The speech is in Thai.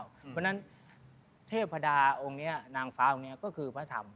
เพราะฉะนั้นเทพดาองค์นี้นางฟ้าองค์นี้ก็คือพระธรรม